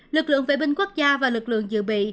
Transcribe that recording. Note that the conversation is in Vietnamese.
lực lượng vệ binh quốc gia và lực lượng dự bị